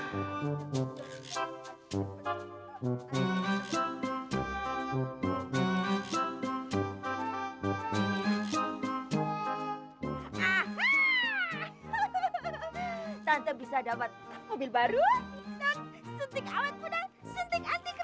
tante bisa dapat mobil baru dan sentik awan muda sentik anti kerut kerut sama dibawah mata